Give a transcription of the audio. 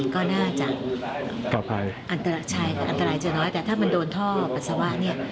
ก็น่าจะใช่อันตรายจะน้อยแต่ถ้ามันโดนท่อปัสสาวะเนี่ย